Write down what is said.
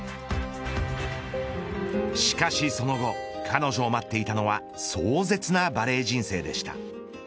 しかしその後彼女を待っていたのは壮絶なバレー人生でした。